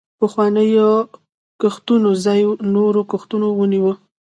پخوانیو کښتونو ځای نورو کښتونو ونیوه.